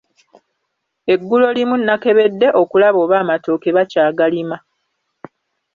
Eggulo limu nakebedde okulaba oba amatooke bakyagalima.